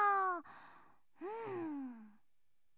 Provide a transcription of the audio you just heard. うん。